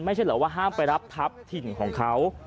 ไม่ใช่เหรอว่าห้ามไปรับทัพถิ่นของเขา